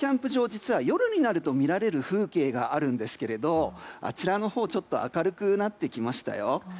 実は夜になると見られる風景があるんですけれどあちらのほう、ちょっと明るくなってきましたよ。